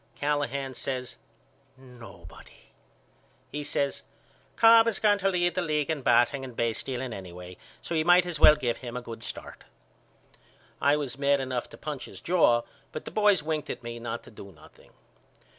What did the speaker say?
Callahan says Nobody. He says Cobb is going to lead the league in batting and basestealing anyway so we might as well give him a good start. I was mad enough to punch his jaw but the boys winked at me not to do nothing.